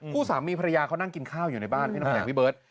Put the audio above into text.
สามีภรรยาเขานั่งกินข้าวอยู่ในบ้านพี่น้ำแข็งพี่เบิร์ต